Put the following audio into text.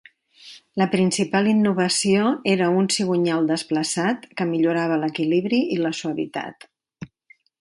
La principal innovació era un cigonyal desplaçat que millorava l'equilibri i la suavitat.